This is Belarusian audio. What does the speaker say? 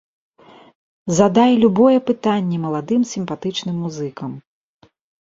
Задай любое пытанне маладым сімпатычным музыкам!